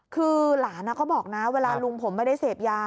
คือหลานก็บอกนะเวลาลุงผมไม่ได้เสพยา